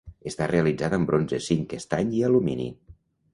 Està realitzada en bronze, zinc, estany i alumini.